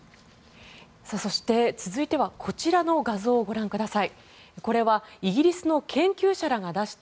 そして、続いてはこちらの画像をご覧ください。